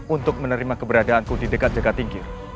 untuk menerima keberadaanku di dekat jaga tinggi